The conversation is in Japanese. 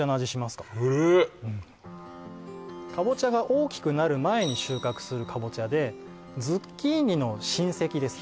するかぼちゃが大きくなる前に収穫するかぼちゃでズッキーニの親戚です